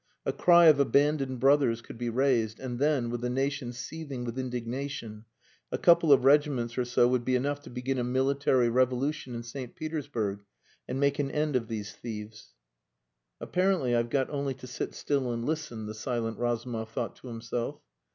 A cry of abandoned brothers could be raised, and then, with the nation seething with indignation, a couple of regiments or so would be enough to begin a military revolution in St. Petersburg and make an end of these thieves.... "Apparently I've got only to sit still and listen," the silent Razumov thought to himself.